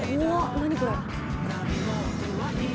何これ？